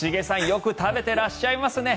よく食べてらっしゃいますね。